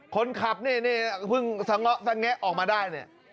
คนขับนี่เพิ่งสะเงาะสะแงะออกมาได้เนี่ย